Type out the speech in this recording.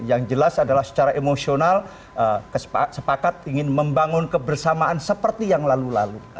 yang jelas adalah secara emosional sepakat ingin membangun kebersamaan seperti yang lalu lalu